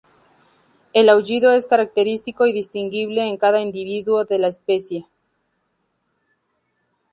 El aullido es característico y distinguible en cada individuo de la especie.